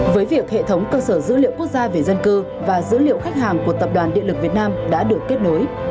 với việc hệ thống cơ sở dữ liệu quốc gia về dân cư và dữ liệu khách hàng của tập đoàn điện lực việt nam đã được kết nối